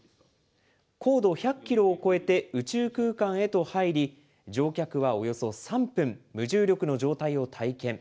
高度１００キロを越えて宇宙空間へと入り、乗客はおよそ３分、無重力の状態を体験。